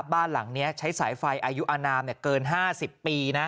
บ้านหลังนี้ใช้สายไฟอายุอนามเกิน๕๐ปีนะ